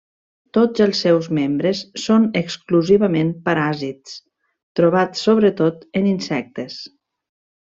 Tots els seus membres són exclusivament paràsits, trobats sobretot en insectes.